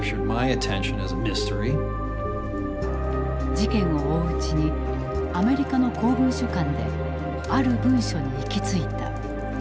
事件を追ううちにアメリカの公文書館である文書に行き着いた。